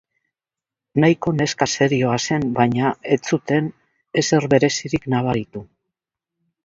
Nahiko neska serioa zen baina ez zuten ezer berezirik nabaritu.